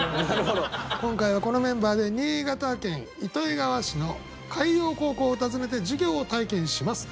今回はこのメンバーで新潟県糸魚川市の海洋高校を訪ねて授業を体験します。